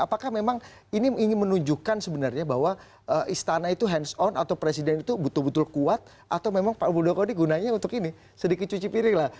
apakah memang ini ingin menunjukkan sebenarnya bahwa istana itu hands on atau presiden itu betul betul kuat atau memang pak muldoko ini gunanya untuk ini sedikit cuci piring lah